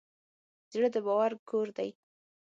زړه د باور کور دی.